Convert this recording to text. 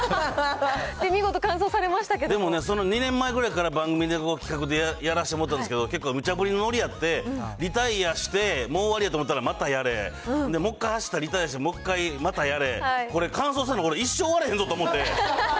見事、でもね、その２年前ぐらいから、番組で企画でやらしてもらったんですけど、結構むちゃ振りのノリやって、リタイヤして、もう終わりやと思ったら、またやれ、もう１回走ったらリタイヤしてまたやれ、これ、完走するまで一生終わらへんぞと思って。